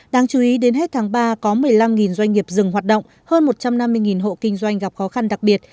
đáng chú ý đến hết tháng ba có một mươi năm doanh nghiệp dừng hoạt động hơn một trăm năm mươi hộ kinh doanh gặp khó khăn đặc biệt